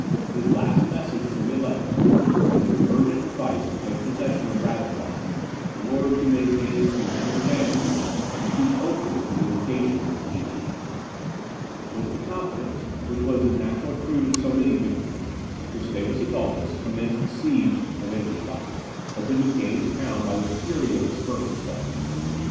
His last message to the Elector was an urgent advice to take possession of Ratisbon, in order to maintain the command of the Danube, and to keep open the communication with Bohemia. With the confidence which was the natural fruit of so many victories, Gustavus Adolphus commenced the siege of Ingolstadt, hoping to gain the town by the fury of his first assault.